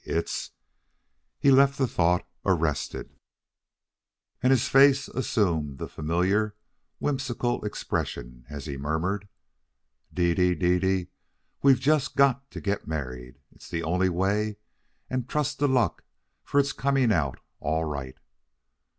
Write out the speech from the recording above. It's " He left the thought arrested, and his face assumed the familiar whimsical expression as he murmured: "Dede, Dede, we've just got to get married. It's the only way, and trust to luck for it's coming out all right